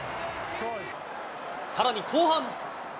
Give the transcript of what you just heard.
さらに後半。